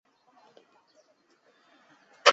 现任普雷斯顿的领队。